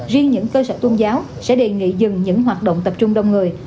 riêng những cơ sở tôn giáo sẽ đề nghị dừng những hoạt động tập trung đông người